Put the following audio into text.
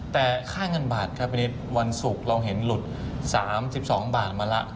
แต่ค่าเงินบาทครับพี่นิดวันศุกร์เราเห็นหลุด๓๒บาทมาแล้ว